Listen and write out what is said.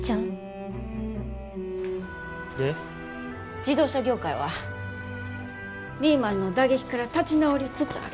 自動車業界はリーマンの打撃から立ち直りつつある。